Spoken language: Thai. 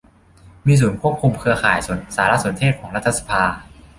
มีศูนย์ควบคุมเครือข่ายสารสนเทศของรัฐสภา